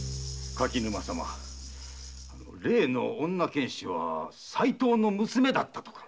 柿沼様例の女剣士は齋藤の娘だとか。